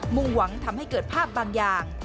มุ่งหวังทำให้เกิดภาพบางอย่าง